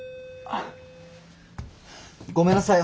ごめんなさい